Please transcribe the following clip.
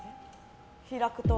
開くと。